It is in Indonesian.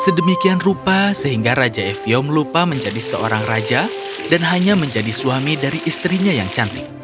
sedemikian rupa sehingga raja evio melupa menjadi seorang raja dan hanya menjadi suami dari istrinya yang cantik